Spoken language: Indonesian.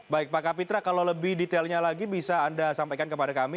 baik pak kapitra kalau lebih detailnya lagi bisa anda sampaikan kepada kami